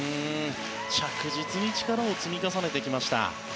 着実に力を積み重ねてきました。